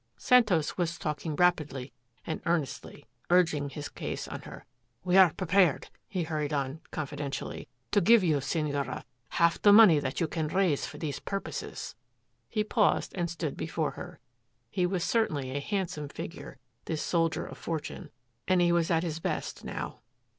Santos was talking rapidly and earnestly, urging his case on her. "We are prepared," he hurried on confidentially, "to give you, Senora, half the money that you can raise for these purposes." He paused and stood before her. He was certainly a handsome figure, this soldier of fortune, and he was at his best now.